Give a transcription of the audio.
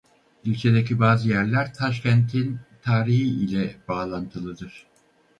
İlçedeki bazı yerler Taşkent'in tarihi ile bağlantılıdır.